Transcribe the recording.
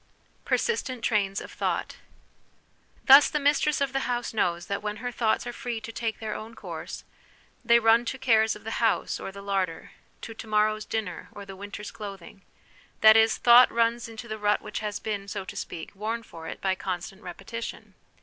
Persistent Trains of Thought. Thus, the mis of the house knows that when her thoughts are free to take their own course, they run to cares of the house or the larder, to to morrow's dinner or the winter's clothing ; that is, thought runs into the rut 'HABIT IS TEN NATURES' 11$ which has been, so to speak, worn for it by constant repetition.